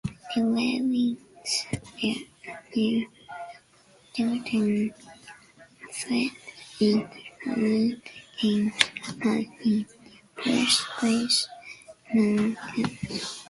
The Red Wings were then defeated in five games by the first-place Montreal Canadiens.